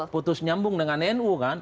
putus nyambung dengan nu kan